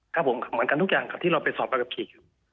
ครับผมค่ะเหมือนกันทุกอย่างครับที่เราไปสอบบัตรกับผี